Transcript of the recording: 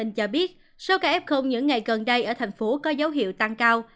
cho biết số ca ép không những ngày gần đây ở thành phố có dấu hiệu tăng cao